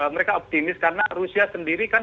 mereka optimis karena rusia sendiri kan